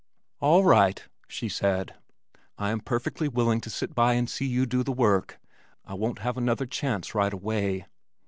"All right," she said. "I am perfectly willing to sit by and see you do the work. I won't have another chance right away."